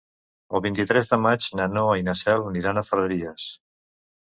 El vint-i-tres de maig na Noa i na Cel aniran a Ferreries.